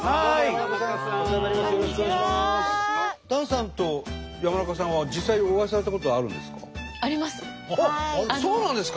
檀さんと山中さんは実際にお会いされたことはあるんですか？あります。